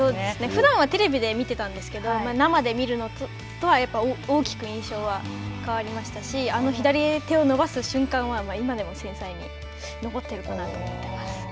ふだんはテレビで見てたんですけど、生で見るのとはやっぱり大きく印象は変わりましたし、左手を伸ばす瞬間は今でも鮮明に残ってるかなと思ってます。